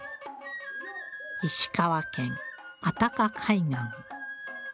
石川県安宅海岸。